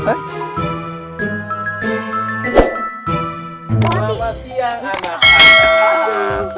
selamat siang anak anak